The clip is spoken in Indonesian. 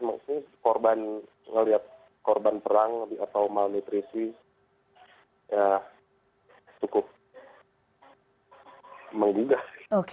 maksudnya korban melihat korban perang atau malnutrisi ya cukup menggugah